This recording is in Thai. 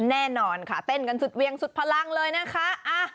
แน่นอนค่ะเต้นกันสุดเวียงสุดพลังเลยนะคะ